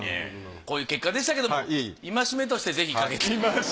こういう結果でしたけども戒めとしてぜひ掛けて。